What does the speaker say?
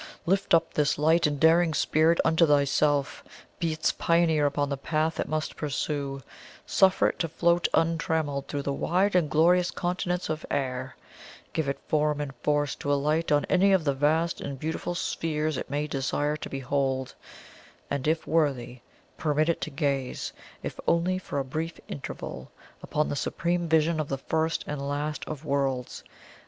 Lift up this light and daring spirit unto thyself; be its pioneer upon the path it must pursue; suffer it to float untrammelled through the wide and glorious Continents of Air; give it form and force to alight on any of the vast and beautiful spheres it may desire to behold; and if worthy, permit it to gaze, if only for a brief interval, upon the supreme vision of the First and Last of worlds.